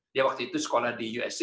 dia waktu itu sekolah di usd